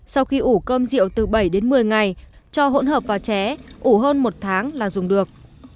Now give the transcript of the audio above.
sau khi ủ cơm rượu từ bảy đến một mươi ngày cho hỗn hợp và ché ủ hơn một tháng là dùng được